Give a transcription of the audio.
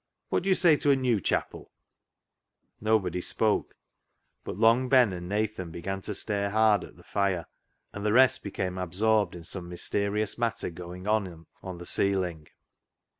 What do you say to a new chapel ?" Nobody spoke, but Long Ben and Nathan began to stare hard at the fire, and the rest became absorbed in some mysterious matter going on on the ceiling.